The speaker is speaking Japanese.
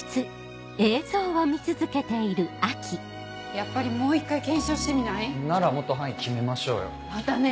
やっぱりもう一回検証してみない？ならもっと範囲決めましょうよ。だね！